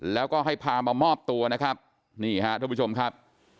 แล้วก็ให้พามามอบตัวนะครับนี่ฮะท่านผู้ชมครับ